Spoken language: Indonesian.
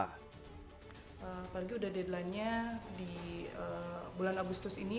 apalagi udah deadline nya di bulan agustus ini